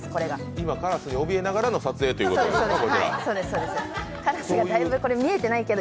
今、カラスにおびえながらの撮影というのがこちら。